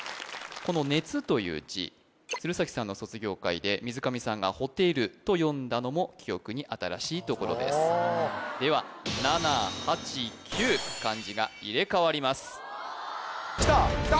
この熱という字鶴崎さんの卒業回で水上さんがほてると読んだのも記憶に新しいところですでは７８９漢字が入れ替わりますきた！